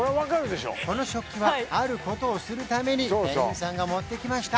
この食器はあることをするために店員さんが持ってきました